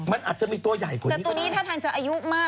มันอาจจะมีตัวใหญ่กว่านี้ก็ลา